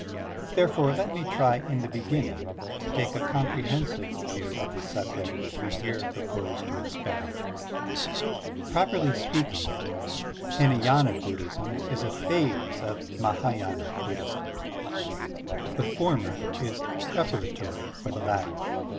Therefore, let me try in the beginning to take a comprehensive view of the subject we here propose to expound. Properly speaking, Htnay^na Buddhism is a phase of Mah^yina Buddhism. The former is preparatory for the latter.